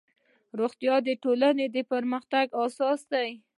روغتیا د ټولنې د پرمختګ اساس دی